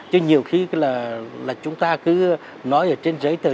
chứ nhiều khi là chúng ta cứ nói ở trên giấy tờ